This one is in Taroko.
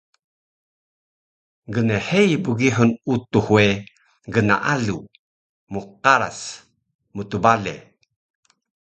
Gnhei Bgihur Utux we gnaalu, mqaras, mtbale